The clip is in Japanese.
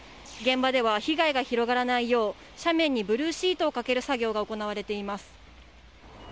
現場では被害が広がらないよう斜面にブルーシートかける作業が行われています。